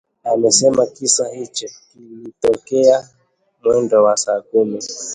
amesema kisa hicho kilitokea mwendo wa saa kumi